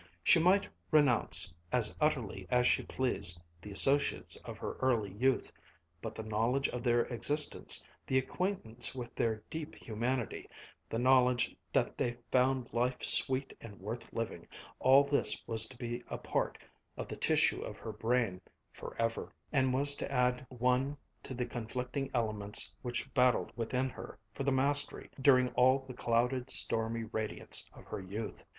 She might renounce, as utterly as she pleased, the associates of her early youth, but the knowledge of their existence, the acquaintance with their deep humanity, the knowledge that they found life sweet and worth living, all this was to be a part of the tissue of her brain forever, and was to add one to the conflicting elements which battled within her for the mastery during all the clouded, stormy radiance of her youth.